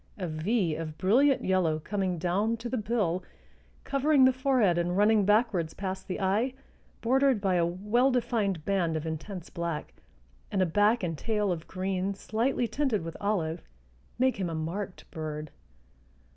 A V of brilliant yellow coming down to the bill, covering the forehead and running backwards past the eye, bordered by a well defined band of intense black, and a back and tail of green slightly tinted with olive make him a marked bird.